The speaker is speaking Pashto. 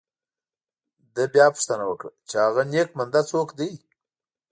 ده بیا پوښتنه وکړه چې هغه نیک بنده څوک دی.